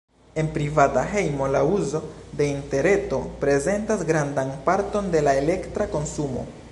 En privata hejmo, la uzo de interreto prezentas grandan parton de la elektra konsumo.